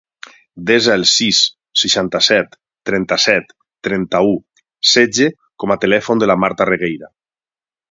Desa el sis, seixanta-set, trenta-set, trenta-u, setze com a telèfon de la Marta Regueira.